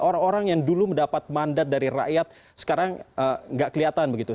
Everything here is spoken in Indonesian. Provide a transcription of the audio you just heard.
orang orang yang dulu mendapat mandat dari rakyat sekarang nggak kelihatan begitu